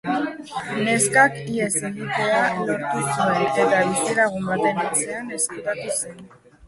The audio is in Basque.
Neskak ihes egitea lortu zuen eta bizilagun baten etxean ezkutatu zen.